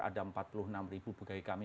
ada empat puluh enam ribu pegawai kami